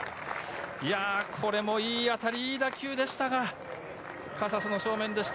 これもいい当たり、いい打球でしたが、カサスの正面でした。